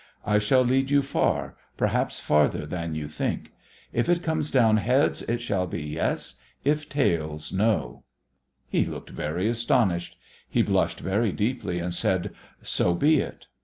I shall lead you far, perhaps farther than you think. If it comes down heads it shall be yes; if tails, no.' He looked very astonished; he blushed very deeply and said, 'So be it.'